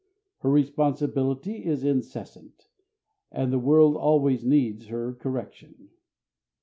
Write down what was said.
Her responsibility is incessant, and the world always needs her correction.